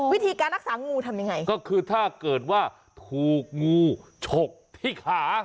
วิธีการรักษางูทำยังไงก็คือถ้าเกิดว่าถูกงูฉกที่ขา